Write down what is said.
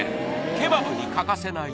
ケバブに欠かせない